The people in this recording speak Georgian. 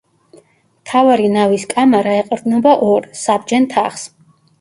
მთავარი ნავის კამარა ეყრდნობა ორ, საბჯენ თაღს.